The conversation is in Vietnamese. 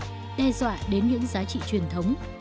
và tạo ra nhiều kết quả đến những giá trị truyền thống